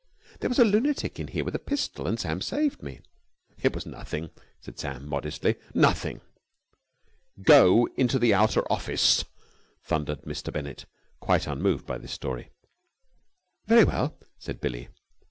"There was a lunatic in here with a pistol, and Sam saved me." "It was nothing," said Sam modestly. "Nothing." "Go into the outer office!" thundered Mr. Bennett, quite unmoved by this story. "Very well," said Billie.